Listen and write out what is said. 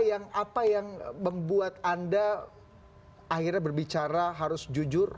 apa yang membuat anda akhirnya berbicara harus jujur